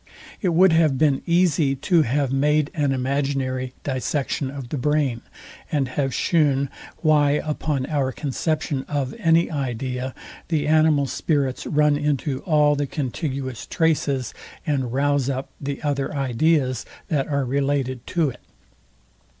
It would have been easy to have made an imaginary dissection of the brain, and have shewn, why upon our conception of any idea, the animal spirits run into all the contiguous traces, and rouze up the other ideas, that are related to it.